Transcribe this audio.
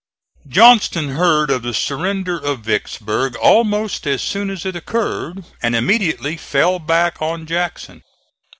Johnston heard of the surrender of Vicksburg almost as soon as it occurred, and immediately fell back on Jackson.